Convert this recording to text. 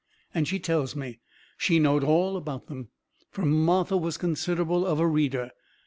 And she tells me. She knowed all about them, fur Martha was considerable of a reader.